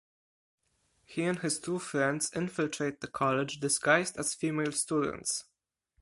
He and his two friends infiltrate the college disguised as female students.